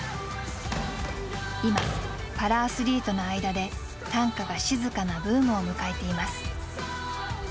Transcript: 今パラアスリートの間で短歌が静かなブームを迎えています。